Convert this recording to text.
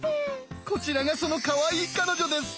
こちらがそのかわいい彼女です。